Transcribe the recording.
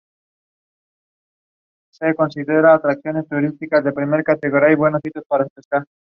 Están sometidas a un presupuesto.